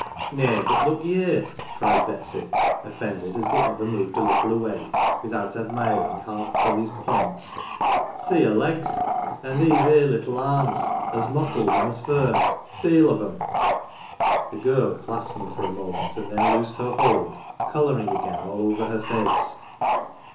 " Nay, but look ye here,"" cried Betsy, offended as the other moved a little away, without admiring half Polly's " points ";" see her legs and these here little arms, as mottled an 1 as firm. Feel of them." The girl clasped them for a moment and then loosed her hold, colouring again all over her face.